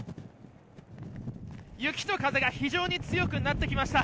雪と風が非常に強くなってきました。